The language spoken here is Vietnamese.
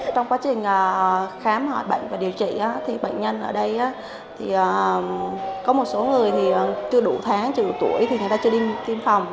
trong quá trình khám hỏi bệnh và điều trị thì bệnh nhân ở đây có một số người thì chưa đủ tháng chưa đủ tuổi thì người ta chưa đi tiêm phòng